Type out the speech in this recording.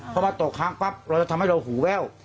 พอมาตกค้างปั๊บเราจะทำให้เราหูแว่ว